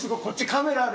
カメラある。